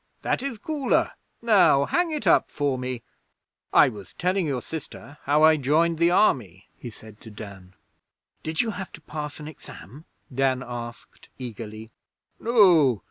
'That is cooler. Now hang it up for me.... 'I was telling your sister how I joined the Army,' he said to Dan. 'Did you have to pass an Exam?' Dan asked eagerly. 'No.